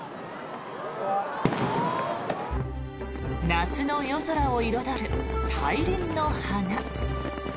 夏の夜空を彩る大輪の花。